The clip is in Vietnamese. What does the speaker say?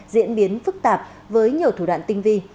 diễn biến phức tạp với nhiều thủ đoạn tinh vi